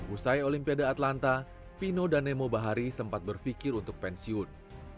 usai olimpiade atlanta pino dan nemo bahari sempat berpikir untuk pensiun